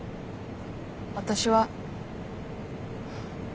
私は。